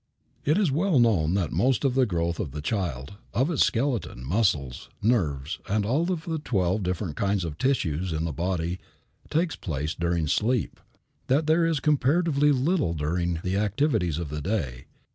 It is well known that most of the growth of the child, of its skeleton, muscles, nerves and all the twelve different kinds of tissues in its body takes place during sleep, that there is comparatively little during the activities of the day.